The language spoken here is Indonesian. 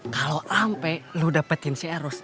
kalo ampe lu dapetin si eros